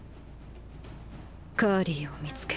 カーリーを見つける。